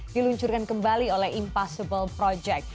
diluncurkan kembali oleh impossible project